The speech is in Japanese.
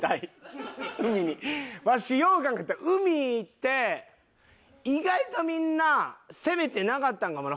わしよう考えたら海行って意外とみんな攻めてなかったんかもな。